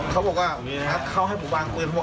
เขาบอกว่าเราให้ผู้บางปืน